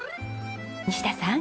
西田さん